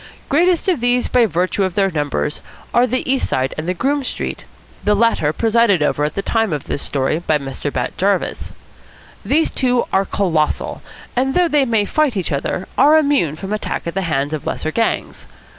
Greatest of these by virtue of their numbers are the East Side and the Groome Street, the latter presided over at the time of this story by Mr. Bat Jarvis. These two are colossal, and, though they may fight each other, are immune from attack at the hands of lesser gangs.